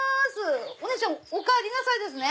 お姉ちゃんおかえりなさいですね